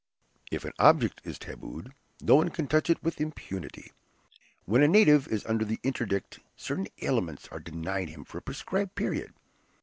If an object is tabooed, no one can touch it with impunity. When a native is under the interdict, certain aliments are denied him for a prescribed period.